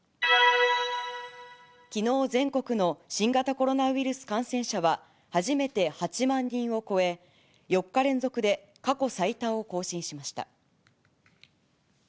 きのう、全国の新型コロナウイルス感染者は初めて８万人を超え、４日連続で過去最多を更新しました。